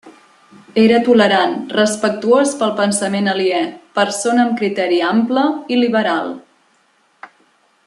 Era tolerant, respectuós pel pensament aliè, persona amb criteri ample i liberal.